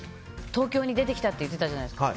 東京に出てきたって言ってたじゃないですか。